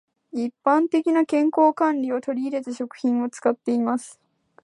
一般的な健康管理を取り入れた食品を使っています。